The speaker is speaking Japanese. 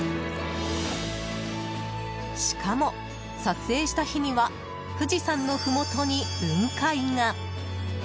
しかも、撮影した日には富士山のふもとに雲海が。